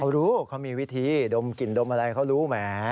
เขารู้เขามีวิธีดมกลิ่นดมอะไรเขารู้แหม